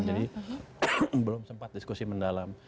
jadi belum sempat diskusi mendalam